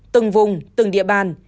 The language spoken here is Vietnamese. từng vùng từng địa bàn